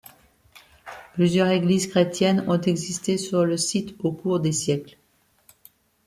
Plusieurséglises chrétiennes ont existé sur le site au cours des siècles.